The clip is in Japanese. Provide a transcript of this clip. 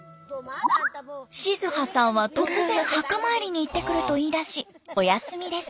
静波さんは突然墓参りに行ってくると言いだしお休みです。